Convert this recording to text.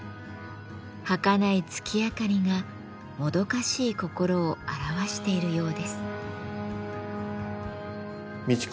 はかない月明かりがもどかしい心を表しているようです。